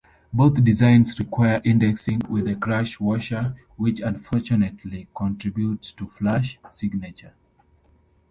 Both designs require indexing with a crush washer which unfortunately contributes to flash signature.